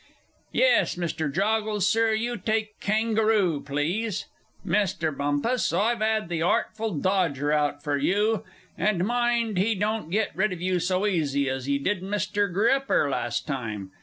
Yes, Mr. Joggles, Sir, you take Kangaroo, please. Mr. Bumpas, I've 'ad the Artful Dodger out for you; and mind he don't get rid of you so easy as he did Mr. Gripper last time.